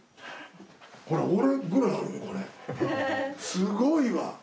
すごいわ。